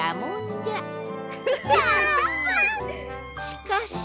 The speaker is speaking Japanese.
しかし。